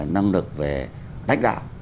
năng lực về lãnh đạo